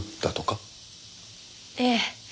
ええ。